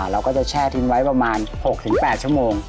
เราก็จะแช่ทิ้งไว้ประมาณ๖๘ชั่วโมง